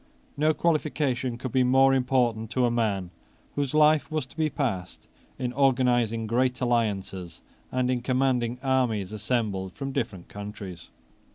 No qualification could be more important to a man whose life was to be passed in organizing great alliances, and in commanding armies assembled from different countries.